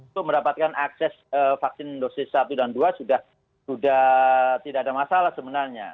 untuk mendapatkan akses vaksin dosis satu dan dua sudah tidak ada masalah sebenarnya